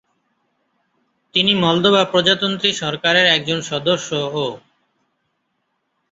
তিনি মলদোভা প্রজাতন্ত্রী সরকারের একজন সদস্যও।